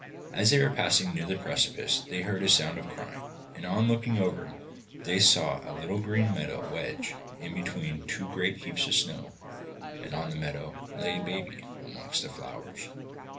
As they were passing near the precipice they heard a sound of crying, and on looking over they saw a little green meadow wedged in between two great heaps of snow, and on the meadow lay a baby amongst the flowers.